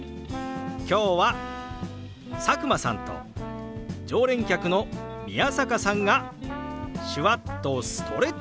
今日は佐久間さんと常連客の宮坂さんが手話っとストレッチ。